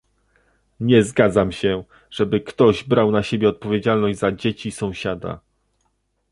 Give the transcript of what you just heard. Nie zgadzam się, żeby ktoś brał na siebie odpowiedzialność za dzieci sąsiada